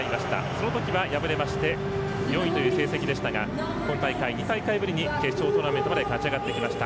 その時は敗れまして４位という成績でしたが今大会、２大会ぶりに決勝トーナメントまで勝ち上がってきました。